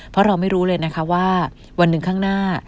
เพราะเราไม่รู้เลยนะคะว่าวันหนึ่งข้างหน้า